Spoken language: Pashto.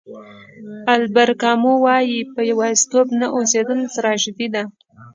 البر کامو وایي په یوازېتوب نه اوسېدل تراژیدي ده.